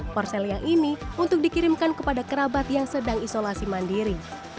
porsel yang ini untuk dikirimkan kepada kerabat yang sedang isolasi mandiri